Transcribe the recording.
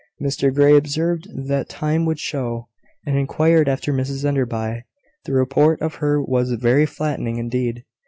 Mr Grey observed that time would show, and inquired after Mrs Enderby. The report of her was very flattering indeed.